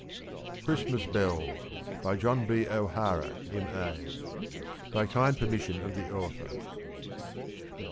CHRISTMAS BELLS. BY JOHN B. O'HARA, M.A. (_By kind permission of the Author.